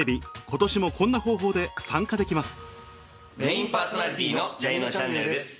今年もこんな方法で参加できます